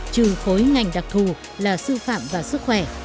trừ khối ngành đặc thù là sư phạm và sức khỏe